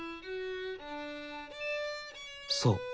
そう。